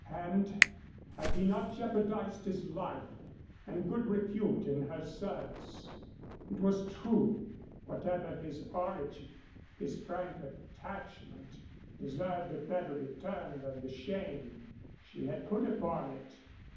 And had he not jeopardized his life and good repute in her service? It was true. Whatever his origin, his frank attachment deserved a better return than the shame she had put upon it.